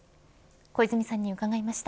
小泉さんに伺いました。